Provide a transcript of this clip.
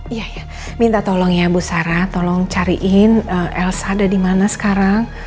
iya ya minta tolong ya bu sarah tolong cariin elsa ada di mana sekarang